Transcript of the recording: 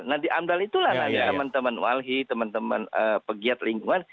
nah di amdal itulah nanti teman teman walhi teman teman pegiat lingkungan